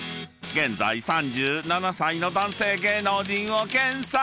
［現在３７歳の男性芸能人を検索。